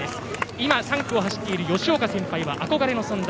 今、３区を走っている吉岡先輩は憧れの存在。